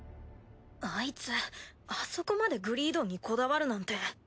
アイツあそこまでグリードンにこだわるなんて。